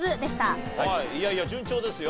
いやいや順調ですよ。